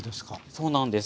そうなんです。